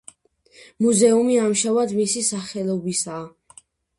მუზეუმი ამჟამად მისი სახელობისაა.